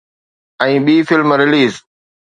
۽ ٻي film release